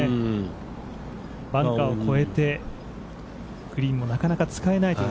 バンカーを越えてグリーンもなかなか使えないと。